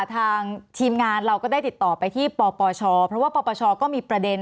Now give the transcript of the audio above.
ทางทีมงานเราก็ได้ติดต่อไปที่ปปชเพราะว่าปปชก็มีประเด็น